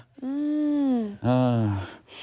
อืม